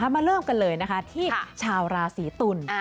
มาเริ่มกันเลยนะคะที่ชาวราศีตุล